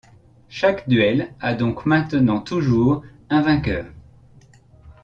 Chaque duel a donc maintenant toujours un vainqueur.